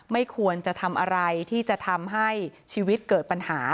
ไม่ควรจะทำอะไรที่จะทำให้ชีวิตเกิดปัญหา